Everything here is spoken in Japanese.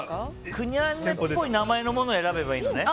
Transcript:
クニャーネっぽい名前のものを選べばいいのね。